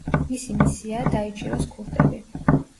მისი მისიაა დაიჭიროს ქურდები.